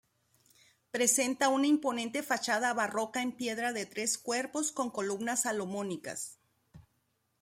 Presenta una imponente fachada barroca en piedra de tres cuerpos con columnas salomónicas.